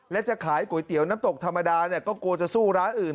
และจะขายก๋วยเตี๋ยวน้ำตกธรรมดาเนี่ยก็กลัวจะสู้ร้านอื่น